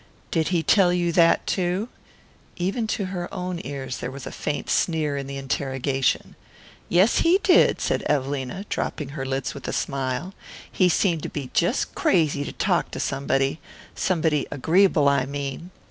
"Did he tell you that too?" Even to her own ears there was a faint sneer in the interrogation. "Yes, he did," said Evelina, dropping her lids with a smile. "He seemed to be just crazy to talk to somebody somebody agreeable, I mean.